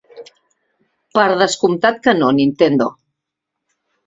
Per descomptat que no, Nintendo.